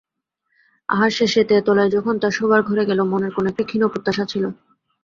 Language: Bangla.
আহার-শেষে তেতলায় যখন তার শোবার ঘরে গেল, মনের কোণে একটা ক্ষীণ প্রত্যাশা ছিল।